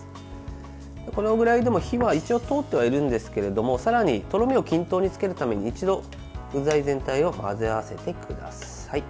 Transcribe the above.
このぐらいでも火は一応通ってはいるんですがさらにとろみを均等につけるために一度、具材全体を混ぜ合わせてください。